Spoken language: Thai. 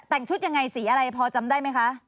แต่งชุดยังไงสีอะไรพอจำได้ไหมคะ